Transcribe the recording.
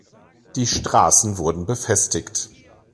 Die Straßen wurden befestigt.